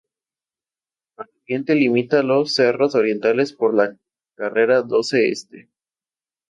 Al oriente limita los cerros Orientales por la carrera Doce este.